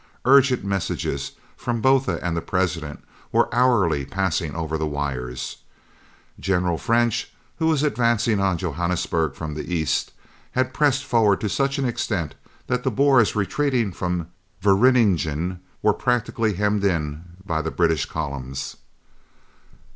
Urgent messages from Botha and the President were hourly passing over the wires. General French, who was advancing on Johannesburg from the east, had pressed forward to such an extent that the Boers retreating from Vereeniging were practically hemmed in by the British columns.